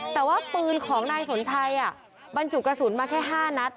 แต่ว่าปืนของนายสนชัยบรรจุกระสุนมาแค่๕นัด